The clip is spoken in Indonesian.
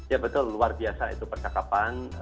ya betul luar biasa itu percakapan